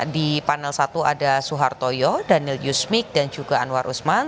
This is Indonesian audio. di panel satu ada suhartoyo daniel yusmik dan juga anwar usman